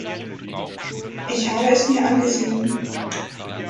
Ich habe es mir angesehen.